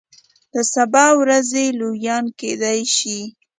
د سبا ورځې لویان کیدای شي.